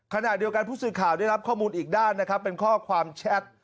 ขณะเดียวกันผู้สื่อข่าวได้รับข้อมูลอีกด้านนะครับเป็นข้อความแชท